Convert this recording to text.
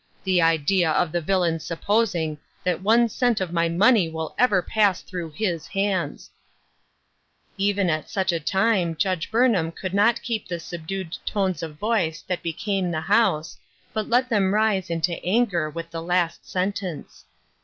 The idea of the villain's supposing that one cent of my money will ever pass through his hands !" Even at such a time Judge Burnham could not keep the subdued tones of voice that became the house, but let them rise into anger with the last sentence.